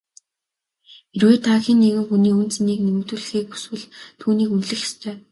Хэрвээ та хэн нэгэн хүний үнэ цэнийг нэмэгдүүлэхийг хүсвэл түүнийг үнэлэх ёстой.